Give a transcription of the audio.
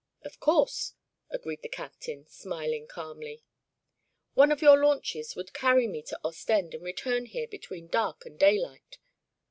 "Of course," agreed the captain, smiling calmly. "One of your launches would carry me to Ostend and return here between dark and daylight."